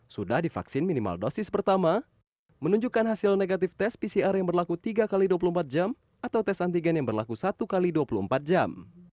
sudah divaksin minimal dosis pertama menunjukkan hasil negatif tes pcr yang berlaku tiga x dua puluh empat jam atau tes antigen yang berlaku satu x dua puluh empat jam